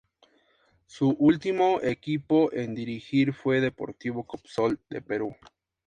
Su último equipo en dirigir fue Deportivo Coopsol de Perú.